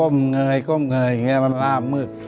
มันก้มเงยมันน่ามืด